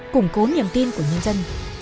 củng cố niềm tin của nhân dân